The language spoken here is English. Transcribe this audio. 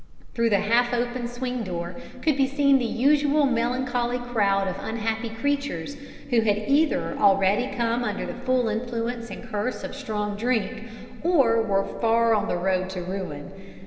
Through the half open swing door could be seen the usual melancholy crowd of unhappy creatures who had either already come under the full influence and curse of strong drink, or were far on the road to ruin.